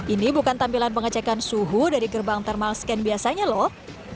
ini bukan tampilan pengecekan suhu dari gerbang thermal scan biasanya loh